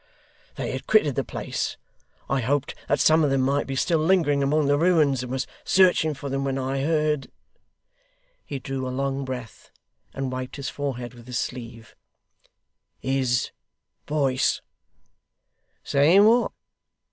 They had quitted the place. I hoped that some of them might be still lingering among the ruins, and was searching for them when I heard ' he drew a long breath, and wiped his forehead with his sleeve 'his voice.' 'Saying what?